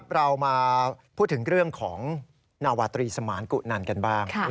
เรามาพูดถึงเรื่องของนาวาตรีสมานกุนันกันบ้าง